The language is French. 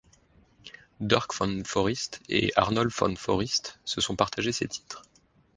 Dirk van Foreest et Arnold van Foreest se sont partagés ces titres.